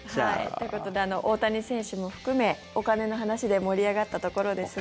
ということで大谷選手も含めお金の話で盛り上がったところですが。